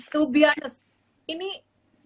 to be honest ini menghasilkan gak sih mas adip